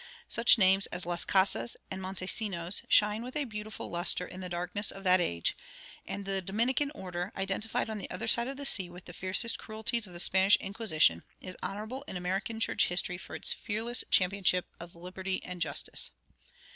Such names as Las Casas and Montesinos shine with a beautiful luster in the darkness of that age; and the Dominican order, identified on the other side of the sea with the fiercest cruelties of the Spanish Inquisition, is honorable in American church history for its fearless championship of liberty and justice.